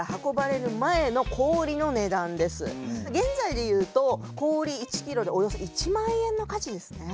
現在で言うと氷１キロでおよそ１０，０００円の価値ですね。